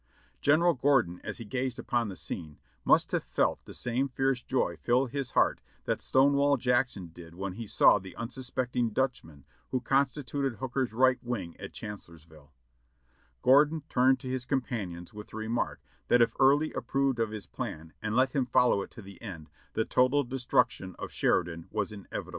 General Gordon, as he gazed upon the scene, must have felt the same fierce joy fill his heart that Stonewall Jackson did when he saw the unsuspecting Dutchmen who constituted Hooker's right wing at Chancellorsville. Gordon turned to his companions with the remark that if Early approved of his plan and let him follow it to the end, the total de DISASTER AXD DEFEAT IX THE VALLEY 653 striiction of Sheridan was inevitable. ("Reminiscences of the Civil War," by Lieut.